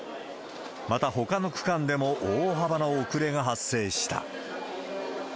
また、ほかの区間でも大幅な遅れが発生した。